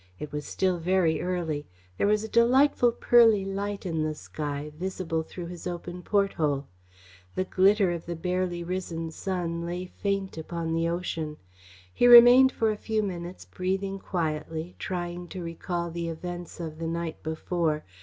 It was still very early. There was a delightful pearly light in the sky, visible through his open porthole. The glitter of the barely risen sun lay faint upon the ocean. He remained for a few minutes, breathing quietly, trying to recall the events of the night before.